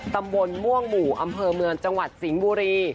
ตำบลม่วงหมู่อำเภอเมืองจังหวัดสิงห์บุรี